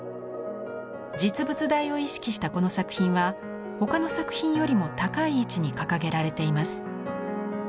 実物大を意識したこの作品は他の作品よりも高い位置に掲げられています。